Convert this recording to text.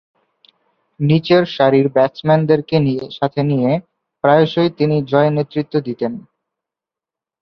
নিচেরসারির ব্যাটসম্যানদেরকে সাথে নিয়ে প্রায়শঃই তিনি জয়ে নেতৃত্ব দিতেন।